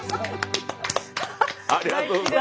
ありがとうございます。